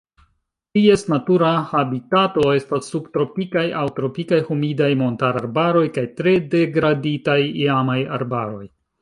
Ties natura habitato estas subtropikaj aŭ tropikaj humidaj montararbaroj kaj tre degraditaj iamaj arbaroj.